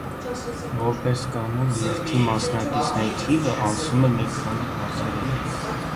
Որպես կանոն՝ երթի մասնակիցների թիվը անցնում է մի քանի հազարը։